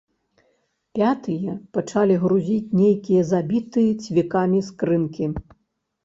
Пятыя пачалі грузіць нейкія забітыя цвікамі скрынкі.